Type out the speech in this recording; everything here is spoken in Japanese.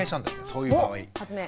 そういう場合。